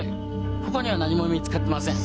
他には何も見つかってません。